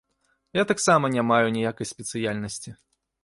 Я таксама не маю ніякай спецыяльнасці.